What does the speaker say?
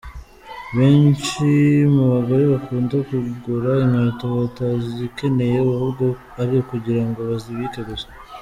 Benshi mu bagore bakunda kugura inkweto batazikeneye ahubwo ari ukugira ngo bazibike gusa.